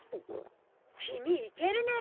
君いけるね！